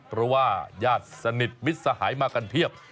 เพราะว่าญาติสนิทมิตรสหายมากันเพียบ